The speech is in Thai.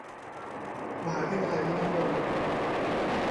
มหาวิทยาลัยมหิดล